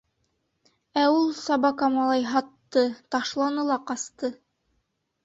Ә ул, собака малай, һатты: ташланы ла ҡасты.